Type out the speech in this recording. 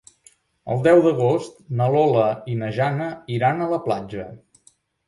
El deu d'agost na Lola i na Jana iran a la platja.